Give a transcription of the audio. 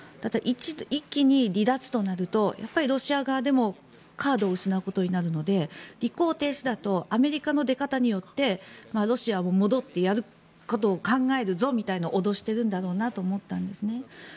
一気に離脱となるとやっぱりロシア側でもカードを失うことになるので履行停止だとアメリカの出方によってロシアも戻ってやることを考えるぞと脅しているんだろうなと思ったんですね。